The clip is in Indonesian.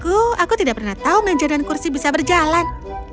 aku aku tidak pernah tahu meja dan kursi bisa berjalan